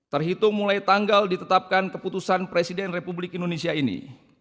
terhitung mulai tanggal ditetapkan keputusan presiden republik indonesia ini